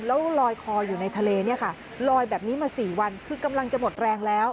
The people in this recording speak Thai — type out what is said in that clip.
แล้วลอยคออยู่ในทะเลเนี่ยค่ะลอยแบบนี้มา๔วันคือกำลังจะหมดแรงแล้ว